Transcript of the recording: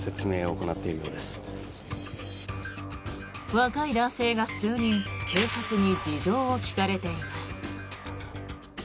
若い男性が数人警察に事情を聴かれています。